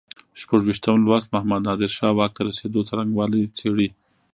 شپږویشتم لوست محمد نادر شاه واک ته رسېدو څرنګوالی څېړي.